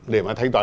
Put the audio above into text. để mà thanh toán